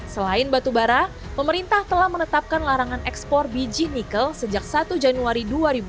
selain batubara pemerintah telah menetapkan larangan ekspor biji nikel sejak satu januari dua ribu dua puluh